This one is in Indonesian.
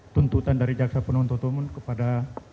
tuntutan dari jaksa penuntut umum kepada